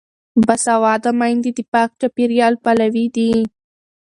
باسواده میندې د پاک چاپیریال پلوي دي.